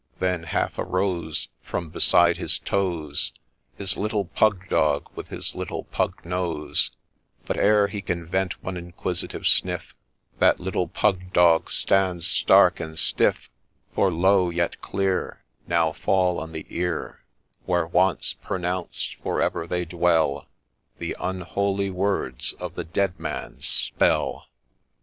Then half arose From beside his toes His little pug dog with his little pug nose, But, ere he can vent one inquisitive sniff, That little pug dog stands stark and stiff, For low, yet clear, Now fall on the ear, — Where once pronounced for ever they dwell, — The unholy words of the Dead Man's spell